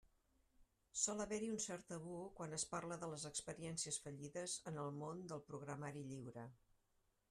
Sol haver-hi un cert tabú quan es parla de les experiències fallides en el món del programari lliure.